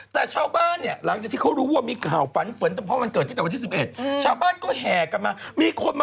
แต่ชาวบ้านหลังจากที่เขารู้ว่ามีกล่าวฝันเฟิร์นเพราะวันเกิดที่แต่วันที่๑๑